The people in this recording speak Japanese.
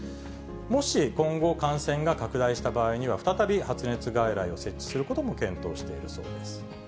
もし今後、感染が拡大した場合には、再び発熱外来を設置することも検討しているそうです。